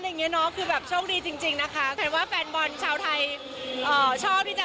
เป็นแบบโชคดีจริงนะคะแผนว่าแฟนบอลชาวไทยชอบที่จะ